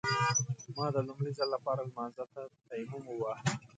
ما د لومړي ځل لپاره لمانځه ته تيمم وواهه.